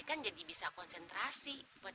kan jadi bisa konsentrasi buat